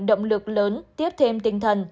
động lực lớn tiếp thêm tinh thần